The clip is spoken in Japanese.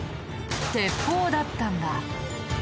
鉄砲だったんだ。